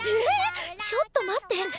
ええ⁉ちょっと待って！